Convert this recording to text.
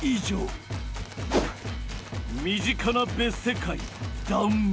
身近な別世界「断面」